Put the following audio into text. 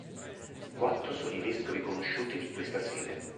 Quattro sono i vescovi conosciuti di questa sede.